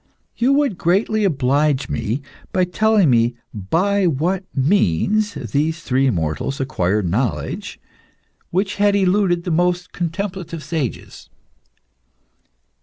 You would greatly oblige me by telling me by what means these three mortals acquired knowledge which had eluded the most contemplative sages.